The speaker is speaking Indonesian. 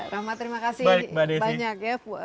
rahmat terima kasih banyak ya